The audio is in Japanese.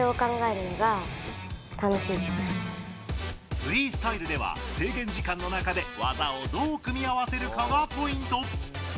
フリースタイルでは制限時間の中で、技をどう組み合わせるかがポイント。